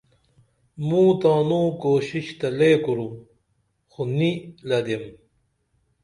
موں تانوں کُوشش تہ لے کُرُم خو نی لدیم